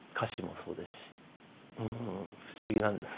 うん不思議なんです。